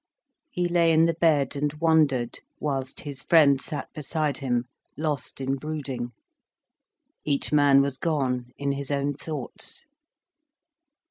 He lay in the bed and wondered, whilst his friend sat beside him, lost in brooding. Each man was gone in his own thoughts.